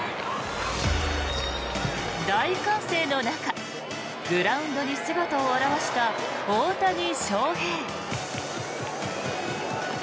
大歓声の中グラウンドに姿を現した大谷翔平。